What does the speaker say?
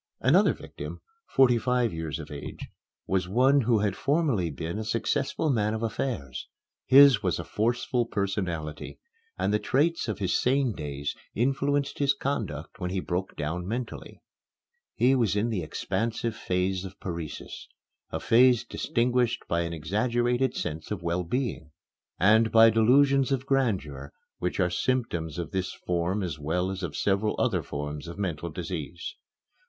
Another victim, forty five years of age, was one who had formerly been a successful man of affairs. His was a forceful personality, and the traits of his sane days influenced his conduct when he broke down mentally. He was in the expansive phase of paresis, a phase distinguished by an exaggerated sense of well being, and by delusions of grandeur which are symptoms of this form as well as of several other forms of mental disease.